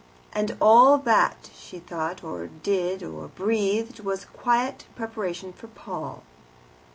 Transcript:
And all that she thought or did or breathed was a quiet preparation for Paul.